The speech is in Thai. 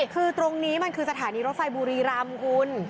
คือตรงนี้มันคือสถานีรถไฟบุรีรำคุณ